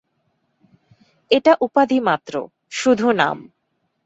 এটা উপাধি মাত্র, শুধু নাম।